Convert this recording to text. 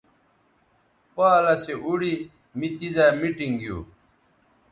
پالسے اوڑی می تیزائ میٹنگ گیو